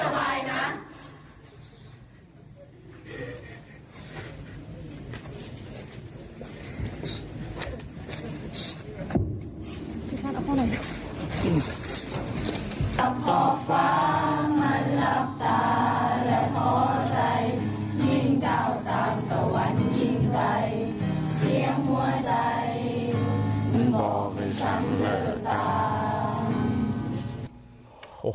วันยิ่งไกลเชียงหัวใจมึงบอกเป็นชั้นเหลือตาม